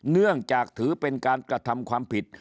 เนื่องจากถือเป็นการกระทำความผิด